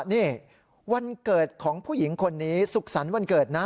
นี่วันเกิดของผู้หญิงคนนี้สุขสรรค์วันเกิดนะ